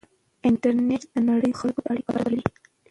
انټرنېټ د نړۍ خلکو ته اړیکه برابروي.